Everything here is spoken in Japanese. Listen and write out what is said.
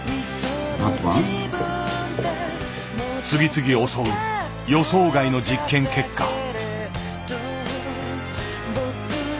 次々襲う予想外の実験結果。